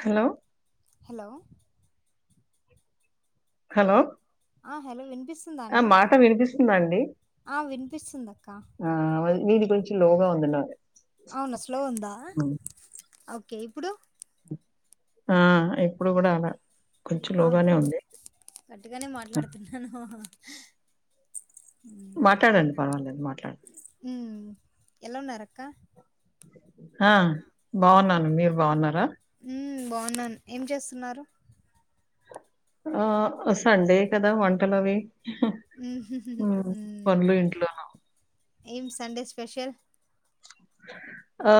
Hello hello hello ఆ hello విన్ ఆ మాట వినిపిస్తుందండి ఆ వినిపిస్తుంది అక్క ఆహ్ వల్ లిది కొంచె లొగా ఉంది నా అవున స్లో ఉందా ఓకె ఇప్పుడు ఆహ్ ఇప్పుడు గూడా అల అవునా గట్టిగనే ఆ! మాట్లాడుతున్నాను ఉమ్ మాట్లాడండి పర్వాలేదు మాట్లాడ్ ఉమ్, ఎలా ఉన్నారక్క హ బావున్నాను మీరు బావున్నారా బావున్నాన్ ఏం చేస్తున్నారు ఆ సండే కదా వంటలవి మ్ హు పనులు ఇంట్లో ఏం సండే స్పెషల్ ఆ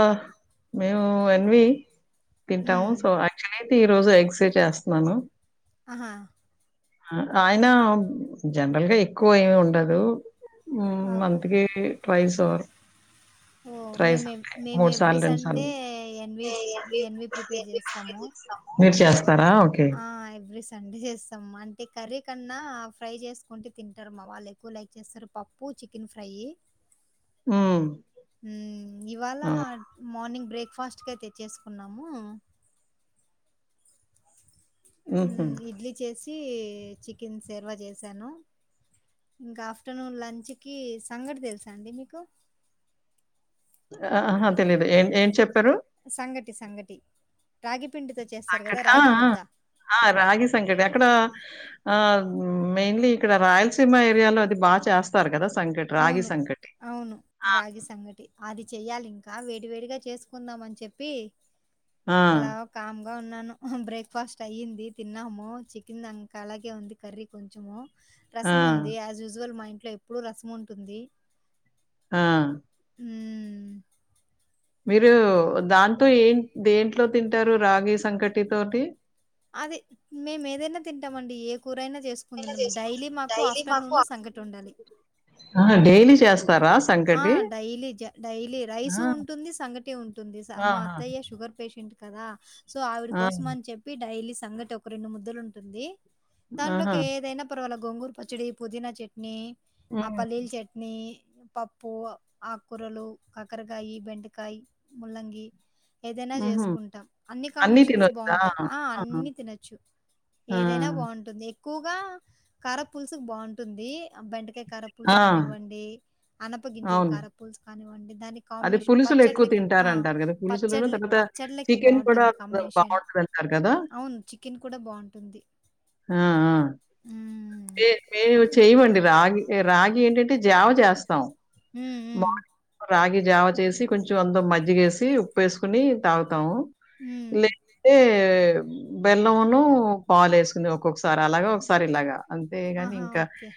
మేము ఎన్వి తింటాము ఉమ్ సో అచ్చుయల్లి తి ఈరోజు ఎగ్స్ ఎ చేస్తున్నాను ఆహా ఆయినా జనరల్గా ఎక్కువ ఏమి ఉండదు మ్ ఆ, మంత్కి ట్వయిస్ ఓ మేము ఎవ్ మేము ఎవ్రీ సార్లు రెండు సార్లు సండే ఎన్వి ఎన్వి ప్రిపేర్ చేస్తాము. మీర్ చేస్తారా ఓకే తండి చేస్తాం. అంటె కర్రీ కన్నా ఫ్రై చేసుకుంటె తింటరు. మా వాళ్ళు ఎక్కువ లైక్ చేస్తారు. పప్పు చికెన్ ఫ్రైయ్యి ఉమ్మ్ మ్ ఇవాలా మార్నింగ్ బ్రేక్ఫాస్ట్ కె తెచ్చేసుకున్నాము. ఉహు తీ చికెన్ సేర్వ చేసాను. ఇంక ఆఫ్టర్నూన్ లంచ్కి సంగటి తెలుసా అండి మీకు. అఅ ఆహా తెలీదు ఏ ఏం చెప్పరు. సంగటి, సంగటి రాగి పిండితో చేస్తారు కదా! ఆ రాగి ఆ ముద్ద. ఆ రాగి సంగటి అక్కడ ఆ మెయిన్లీ ఇక్కడ రాయల్స్ తిమా ఏరియాలో అది బాగా చేస్తారు గదా సంకటి రాగి అవును. సంకటి ఆ చెయ్యాలి ఇంకా వేడి వేడిగా చేసుకుందాం అని చెప్పి ఆ అలా ఒకామ్ గా ఉన్నాను బ్రేక్ఫాస్ట్ అయ్యింది. తిన్నాము చికెన్ దాంకాలాగే ఉంది కర్రీ కొంచము హా ఇజువల్ మా ఇంట్లో ఎప్పుడు రసం ఉంటుంది. ఆ హ్మ్ మీరు దాంతో ఏం దేంట్లో తింటారు రాగి సంకటి తోటి అది మేము ఏదైనా తింటామండి ఏ కూరైనా చేసుకుందున్నుం డైలీ మాకు ఆఫ్టర్నూన్ సంగటుండాలి. ఆహా డైలీ చేస్తారా స్ ఆ డైలీ జ డైలీ ఆ రైసు ఉంటుంది. సంగటి ఉంటుంది. మా ఆహా అత్తయ్య షుగర్ పెషెంట్ కదా సో ఆవిడి ఆ కోసం అని చెప్పి డైలీ సంగటి ఒక రెండు ముద్దలుంటుంది. ఆహా దాంట్లోకి ఏదైనా పర్వాలె గోంగూరు పచ్చడి, పుదీనా చట్నీ, ఆ ఉమ్ పల్లీల చట్ ని పప్పు ఆక్కురలు కాకరకాయి బెండకాయి ముల్లంగి ఏదైనా ఉహు చేసుకుంటాం. అన్ని అన్నీ కాంబినేషన్స్ తినొచ్చా? బావుంటాయి. ఆ ఆహా! అన్నీ తినచ్చు. ఆ! ఏదైనా బాగుంటుంది క్కుగా కారా పులుసుక్ బావుంటుంది బెండకాయ్ కారా ఆ! పులుసు కానివ్వం అనప గింజలు అవును. కార పూల్స్ కానివండి దానికి అదే కాంబినేషన్ పులుసులు ఎక్కువ పచ్చళ్లకి ఆ తింటారంటారు గదా! పులుసులును పచ్చళ్ల్ తర్వాత పచ్చళ్లకి చికెను కూడా బావుంటుంది కాంబినేషన్ బావుంటదంటారు కదా! అవును చికెన్ కూడ బావుంటుంది. ఆ ఆ హ్మ్. మే మేము చెయ్యమండి రాగి రాగి ఏంటంటే జావ చేస్తాం. ఉమ్ ఉమ్. మార్నింగ్ రాగి జావ చేసి కొంచెం అందులో మజ్జిగేసి ఉప్పు ఎసుకుని తాగుతాం. ఉమ్మ్. బెల్లంను పాలు ఎసుకుని ఒక్కొక్కసారి అలాగ ఒకసారి ఇలాగా. అంతేగాని ఆహా! ఇంకా ఓకే.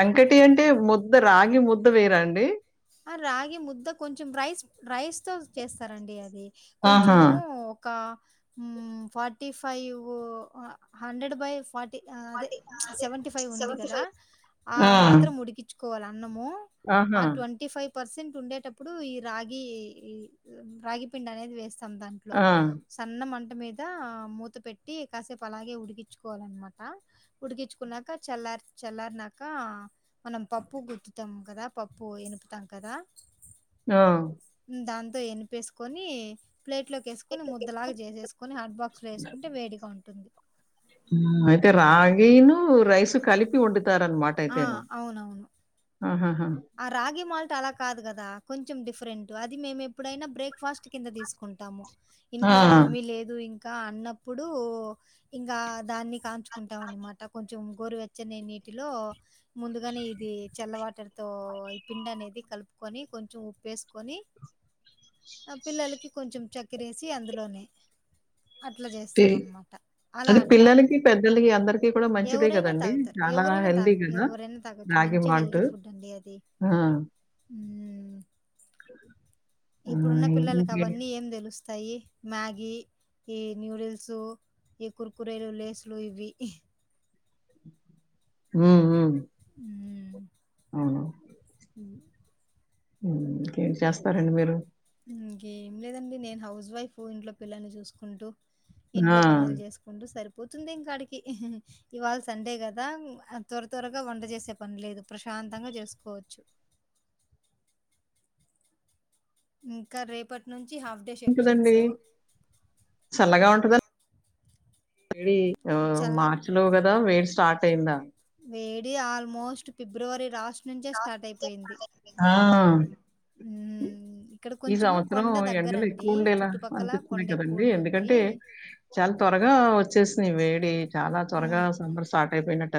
సంకటి అంటే ముద్ద రాగి ముద్ద వేరండి. ఆహ్ రాగి ముద్ద కొంచం రైస్ రైస్ తో. చేస్తారండి అది ఆహా! కొంచము ఒక. ఉమ్ forty five hundred by forty. అది ఆహ్ అదే. ఉంది కదా ఆ మాత్రం ఉడికించుకోవాలి అన్నము ఆ ఆహా! Twenty five. పర్సెంట్ ఉండేటప్పుడు ఈ రాగి రాగి పిండి అనేది వేస్త. తమ్ దాంట్లో ఆ! సన్న మంట. మంట మీద మూత పెట్టి కాసేపు అలాగే ఉడికించుకోవాలనమాట ఉడికించుకున్నాక. కా చల్లారి చల్లారినాక మనం పప్పు గుర్తుతాం కదా పప్పు ఇనుపుతాం కదా. ఆహ్. దాంతో ఇనుపేసుకొని. ప్లేట్ లోకి ఎసుకొని ముద్దలాగా చేసేసుకొని హాట్ బాక్స్ లో వేసుకుంటే వేడిగా ఉంటుంది. ఉమ్ అయితే రాగిను. రైస్ కలిపి వండుతారనమాట ఆ అయితేను అవునవును ఆహా. ఆ రాగి మాల్. ట అలా కాదు కదా కొంచం డిఫరెంట్ అది మేము ఎప్పుడైనా బ్రేక్ఫాస్ట్ కింద తీసుకుంటాము. ఆ! ఇంట్లో ఏమి లేదు ఇంకా అన్నప్పుడు ఇంగ దాన్ని. కాంచుకుంటాంనమాట కొంచం గోరువేచ్చని నీటిలో ముందుగానే ఇది చల్ల వాటర్. తో ఈ పిండి అనేది కలుపుకొని కొంచెం ఉప్పేసుకొని. ఆ పిల్లలకి కొంచం చక్కెరయేసి అందులోనే. అట్లా టి చేస్తాం అనమాట అలా అది అట్లా పిల్లలకి, పెద్దలకి అందరికీ కూడా మంచిదే ఎవురైనా గదండీ! తాగుతారు చాలా ఎవరైనా. న హెల్తీ తగ్ గదా! ఎవరైనా తాగొచ్చు రాగి మంచి మాల్ట్. హెల్తీ ఫుడ్ అండి అది. ఆ! మ్మ్ ఆ! ఇప్పుడున్న పిల్లలకి ఇంకే అవన్నీ ఏం తెలుస్తాయి మ్యాగీ. ఈ నూడుల్స్ ఈ కుర్కురేలు లేస్లు ఇవి. ఉమ్ ఉమ్. అవును. ఆహ్. ఉమ్ ఇంకేంటీ చస్తారండి మీరు. ఇంకేం లేదండి నేను హౌస్ వైఫ్ ఇంట్లో పిల్లల్ని చూసుకుంటూ. ఆ! ఇంట్లో పనులు చేసుకుంటూ సరిప్. పోతుంది ఇంకాడికి ఇవాళ సండే కదా త్వర త్వరగా వంట చేసే పని లేదు ప్రశాంత. శాంతంగా చేసుకోవచ్చు. ఇంకా రేపటి నుంచి. హాఫ్ డే కదండి సెక్షన్స్ చల్లగా ఉంటదని. వేడి ఆహ్ చల్ మార్చి లో కదా వేడి స్టార్ట్ అయిందా. వేడి ఆల్మోస్ట్ ఫిబ్రవరి లాస్ట్. నుంచే స్టార్ట్ అయిపోయింది ఆహ్. ఉమ్ ఇక్కడ ఈ కొంచెము సంవత్సరము కొండ ఎండలు దగ్గరండి ఎక్కువ ఉండేలా చుట్టుపక్కల కొండ అనిపితున్నాయి ఎక్కువ కదండి ఉంటుంది ఎందుకంటే. టె చాలా త్వరగా వచ్చేసినయి వేడి చాలా త్వరగా అవును సమ్మర్ స్టార్ట్ అయిపోయినట్.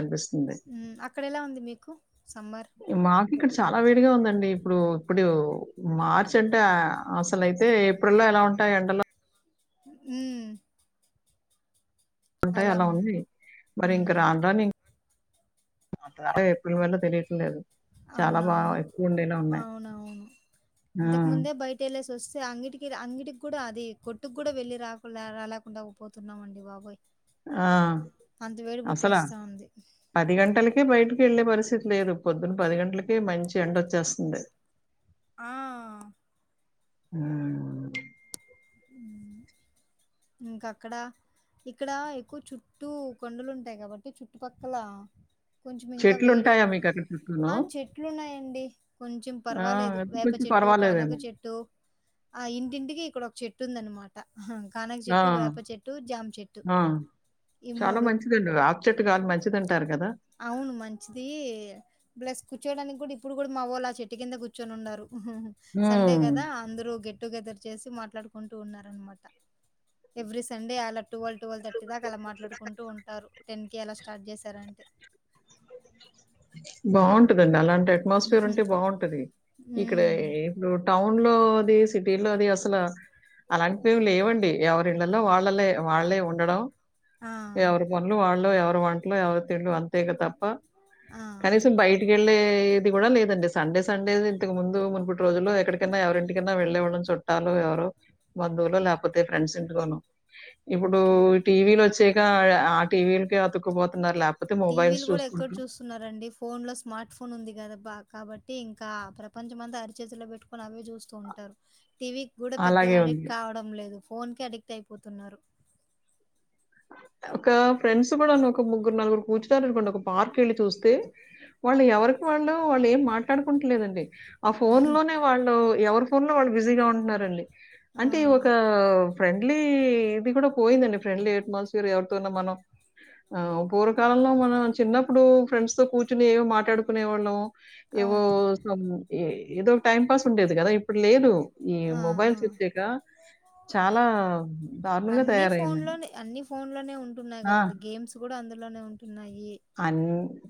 ఉమ్ అక్కడ ఎలా ఉంది మీకు సమ్మర్. మాకు ఇక్కడ చాలా వేడిగా ఉందండి ఇప్పుడు ఇప్పుడు మార్చు. చ్చంట అసలు అయితే ఏప్రిల్లో ఎలా ఉంటాయి ఎండలు. ఉమ్. ఉంటాయి అలా ఉంది మరి ఇంకా ఉమ్ రానురాను. అంటే ఎప్పుడివ్వాలో తెలియట్లేదు. చాలా బా అవునవును ఎక్కువుండేలా ఉన్నాయి. అవునవును ఆ! ఇంతకుముందే బయట వెళ్లేసి వస్. అంగిటికి ఆహ్ అంగిటికి కూడా అది కొట్టుకు కూడా వెళ్లి రాకుండా రాలేకుండా పోతున్నాం అండి బాబోయ్. ఆహ్ అంత వేడి అసలు. పుట్టేస్తా ఉంది పది గంటలకే బయటకి వెళ్లేపరిస్థితి లేదు పొద్దున. పదిగంటలకే మంచి ఎండ వచ్చేస్తుంది. ఆహ్. ఆహ్ ఉమ్. ఇంకా అక్కడ. ఇక్కడ ఎక్కువ చుట్టూ కొండలు ఉంటాయి కాబట్టి చుట్టుపక్కల. చెట్లు ఉంటాయా మీకు అక్కడికి. ఆహ్ చెట్లు ఉన్నాయండి కొంచెం ఆ! పర్వాలేదు అది వేప కొంచెం చెట్టు పర్వాలేదేమో. కనకచెట్టు. ఆహ్ ఇంటింటికి ఇక్కడ ఒక చెట్టు ఉందనుమాట. ఆహ్ కనక ఆ! చెట్టు వేప చెట్టు జామ్ చెట్టు. ఆ! ఈ చాలా మూడు మంచిదండి వేప చెట్టు గాలి మం. అవును మంచిది ప్లస్ కూర్చోడానికి కూడా. ఇప్పుడు గూడా మావొళ్ళు ఆ చెట్టు కింద కూర్చొనున్నారు ఉహ్ ఊహ్మ్ సండే హ్మ్. గదా అందరూ గేట్. టుగెదర్ చేసి మాట్లాడుకుంటూన్నరనమాట ఎవ్రీ సండే అలట్. టువల్ టువల్ థర్టీ దాక అలా మాట్లాడుకుంటూ ఉంటారు. టెన్ కి అలా స్టార్ట్ చేశారంటే. బాగుంటదండి అలాంటి అట్మోస్ఫియార్ ఉంటే బాగుంటది ఇక్కడ హ్మ్. ఇప్పుడు టౌన్. టౌన్ లో అది సిటీ లోది అసలు. అలాంటివి ఏంలేవండి ఎవరిళ్లలో వాళ్ళలే వాళ్లే ఉండడం. ఆ! ఎవరి పనులు వాళ్లు ఎవరి వంటలు ఎవరి తిన్లు అంతే ఇక తప్ప. ఆ! కనీసం బయటికి వెళ్ళేది కూడా లేదండి సండే సండే ఇంతకు ముందు. అప్పటి రోజుల్లో ఎక్కడికన్నా ఎవరింటికన్నా వెళ్లేవాళ్లం చుట్టాలు ఎవరో బంధువులు లేకపోతే ఫ్రెండ్స్ ఇంటికోనో. ఇప్పుడు ఓకే. టీవీలు వచ్చేక ఆహ్ ఆ టీవీలకే అతుక్కుపోతున్నారు లేకపోతే మొబైల్స్ టీవీలు గూడా చూస్తు. ఎక్కడ చూస్తున్నారండి ఫోన్ లో స్మార్ట్ ఫోన్ ఉందిగాద. బాగా కాబట్టి ఇంకా ప్రపంచమంతా అరిచేతిలో పెట్టుకొని అవి. చూస్తూ ఉంటారు టీవీ కూడా పెద్దగా అలాగే అడిక్ట్ ఉంది. కావడం లేదు ఫోన్ కి అడిక్ట్ అయిపోతున్నారు. ఒక ఫ్రెండ్స్ కూడాన్న ఒక ముగ్గురు నలుగురు కూర్చు. [unintelligible] ఒక పార్క్ వెళ్లి చూస్తే వాళ్ళు ఎవరికి వాళ్ళు వాళ్ళు ఏం మాట్లాడుకుంటలేదండి. ఆహ్ ఫోన్ లోనే వాళ్ళు ఎవరి ఫోన్ లో వాళ్ళు బిజీగా ఉంటున్నన్నారండి ఆ! అంటే ఒక ఫ్రెండ్. ఫ్రెండ్లీ ఇది కూడా పోయిందండి ఫ్రెండ్లీ అట్మాస్ఫియర్ ఎవరితోన్న మనం. ఆహ్ పూర్వకాలంలో మనం చిన్నప్పుడు ఫ్రెండ్స్ తో కూర్చోని ఏమో మాట్లాడుకునే వాళ్లం. అవును. ఏవోస్ ఏదోక టైం పాస్ ఉండేది కదా ఇప్పుడు లేదు. ఈ ఆ ఆ మొబైల్స్ వచ్చక చాలా దారుణంగా అన్ని ఫోన్ తయారైందండి. లోనే అన్ని ఫోన్ లోనే ఉంటున్నాయి గదండి గేమ్స్ గూడా అందులోనే ఉంటున్నాయి.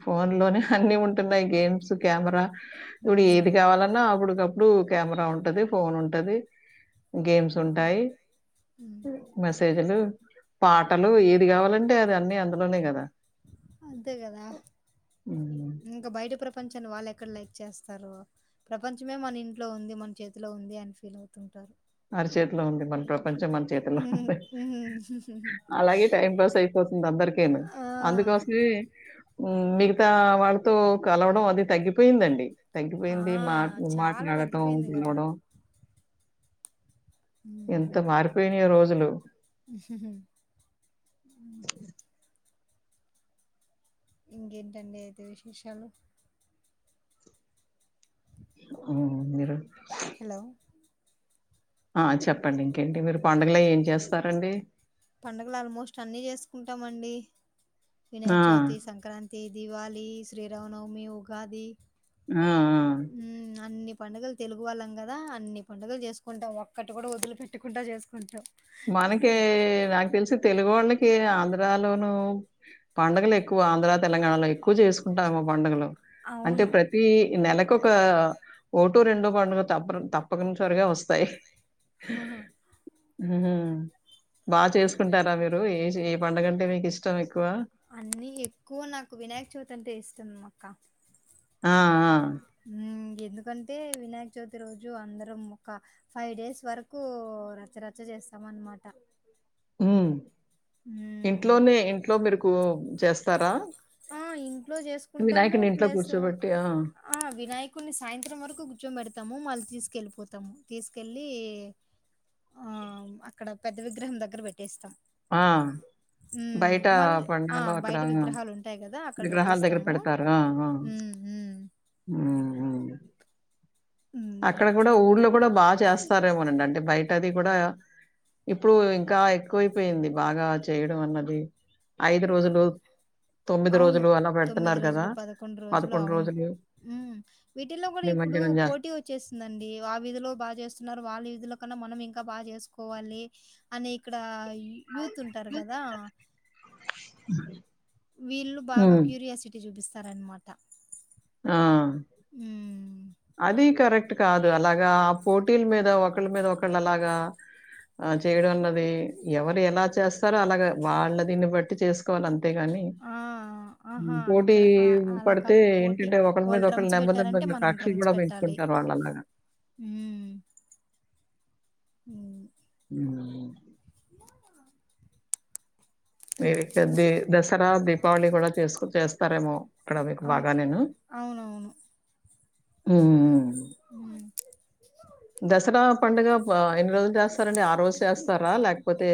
ఫోన్ లోనే అన్నీ ఉంటున్నాయి గేమ్స్ కెమెరా ఇప్పుడు ఏది ఉమ్ కావాలన్నా అప్పుడకప్పుడు. బ్లూ కెమెరా ఉంటది ఫోన్ ఉంటది. గేమ్స్ ఉంటాయ్ ఉమ్ మెసేజ్లు. పాటలు ఏది కావాలంటే అది అన్నీ అందులోనే గదా. అంతే గదా హ్మ్. ఇంకా బయట ప్రపం. ప్రపంచాన్ని వాళ్ళు ఎక్కడ లైక్ చేస్తారో ప్రపంచమే మన ఇంట్లో ఉంది మన చేతిలో ఉంది అని ఫీల్ అవుతుంటారు. అరి చేతిలో ఉంది మన ప్రపంచం మన చేతిలో ఉహ్ ఉహ్ ఉమ్, ఉంది ఉమ్. అలాగే టైంపాస్ అయిపోతుంది అందరికేను ఆ అందుకోసమీ ఉమ్ మిగతా వాళ్లతో కలవడం అది తగ్గిపోయిందండి ఆ తగ్గిపోయింది మాట్ చాలా మాట్లాడటం తగ్గిపోయింది కదా గిలవడం ఎంత మారిపోయినయో రోజులు. ఉమ్. ఇంకేంటండి అయితే విశేషాలు. అవును మీరు. హలో ఆ చెప్పండి ఇంకేంటి మీరు పండగ్లో ఏం చేస్తారండి పండగలు ఆల్మోస్ట్ అన్ని చేసుకుంటామండి ఆ! వినాయక్ చౌతి సంక్రాంతి దివాలి శ్రీరామనవమి ఉగాది ఆ ఆ పండగలు తెలుగు వాళ్ళం గద అన్ని పండగలు చేసుకుంటం ఒక్కటి గుడ ఒదిలి పెట్టకుంట చేసుకుంటం మనకె నాక్ తెలిశి తెలుగు ఒళ్ళకి ఆంధ్ర ధ్రాలోను పండగలు ఎక్కువ ఆంధ్ర తెలంగాణలొనై ఎక్కువ చేసుకుంటాము పండుగలు అంటే అవును ప్రతి నెలకొక ఓటొ రెండొ పండుగ తప్ప తప్పనుసరిగ ఒస్తయ్ అహహ ఉహూ హూ బా చేసుకుంటర మీరు ఏ ఏ పండగంటే మీకు ఇష్టం ఎక్కువ అన్నీ ఎక్కువ నాక్ వినాయక్ చౌతి అంటే ఇష్టం అక్క ఆఆ ఊ ఎ ఎందుకంటే వినాయ్క చౌతి రోజు అందరం ఒక ఫైవ్ డేస్ వరకు రచ్చరచ్చ చేస్ తవన్మాట ఉం ఇంట్లొనే ఇంట్లొ మిరుకు చేస్తారా ఇంట్లొ చేసుకుంటము వినాయకుడిని ఇంట్లో ప్లస్ కూర్చోబెట్టి ఆ! ఆ వినాయకుని సాయంత్రం వరకు కూర్చోంబెడతము ఉ మల్తిస్ కెళ్పోతము తీసుకెల్లి ఆ అక్కడ పెద్ద విగ్రహం దగ్గర పెట్ పెటేస్తం ఆ! ఉ బయట మల్ ఆ పండాలో అక్కడ బయట విగ్రహాలు ఉ విగ్రహాల దగ్గర పెడతారా ఆ ఆ ఉమ్ ఉమ్ ఊ ఊ ఉమ్ అక్కడ అది గుడ ఊళ్లో గుడ బా చేస్తారేమోనండి అంటే బయట అది గుడ ఇపు ఇంకా ఎక్కువైపోయింది బాగా చేయడం అన్నది ఐదు రోజులు తొమ్మిది అవును రోజులు అల తొమ్మిది పెడుతున్నరు గద పదకొండు రోజులు ఉ విటిల్లో గుడ ఇప్పుడు నిమజ్జనం చేస్ పోటి వచ్చేస్తుందండి ఆ విధిలొ బా చేస్తున్నారు వాళ్ళ ఇధులో మొన్న మనం ఇంక్ ఇంక బా చేసుకోవాలి అని ఇక్కడ యూత్ ఉంటారు గద [inaudible] వీళ్ళు బాగ హ్మ్. క్యూరియాసిటీ చూపిస్తరన్మాట ఆ అది కరెక్ క్ట్ కాద్ అలాగా ఆ పోటీల మీద ఒకళ్ మీద ఒకళ్ అలాగా ఆ చేయడంలొది ఎవరు ఎలా చేస్తారో అలాగ వాళ్ళదిని బట్టి చేసుకోవాలం తే గని ఆ ఆహా పోటీ ఇక్కడ ఆ అలా పడితే కాదు పోటీ తింటే ఒకళ్ మీద వాళ్ళు ఒకళ్ డ్రమ్స్ నెమ్మది పెట్టారంటే నెమ్మదిగా కక్షలు గుడ పెంచుకుంటరు వాళ్ళలాగా ఊ [inaudible] ఊ ఊ మీరు తధి దసరా దీపావళి గుడ చేసుకు చేస్తారేమో ఇక్కడ మీక్ అవు బాగ నేను అవునవును హ్మ్ ఉ దసరా పండుగ బ ఎన్ని రోజులు చేస్తారండి ఆ రోజ్ చేస్తరా లేక్పోతే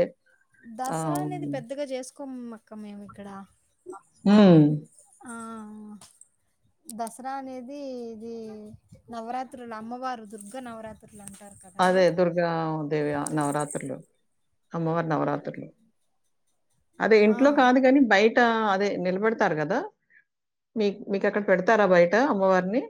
దసరా అనేది పెద్దగ చేసుకొమ్మ్ అక్క మేమ్ ఇక్కడ ఉం ఆ దసరా అనేది ఇది నవరాత్రులు అమ్మవారు దుర్గ నవరాత్రులు అంటారు కదా అదే దుర్గా దేవి నవరాత్రులు అమ్మవారి నవరాత్రులు అదే ఇంట్లో ఆ కాదు కాని బయట బయటా అదే నిల్బేడ్తారు కదా మీ మీకక్కడ పెడతారా బయట అమ్మవారిని